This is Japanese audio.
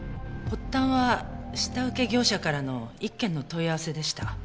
発端は下請け業者からの一件の問い合わせでした。